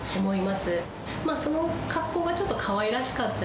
その格好がちょっとかわいらしかったり。